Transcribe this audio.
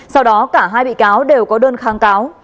sau đó cả hai bị cáo đều có đơn kháng cáo